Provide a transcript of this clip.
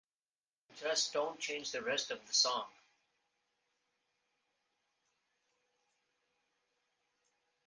Just don't change the rest of the song.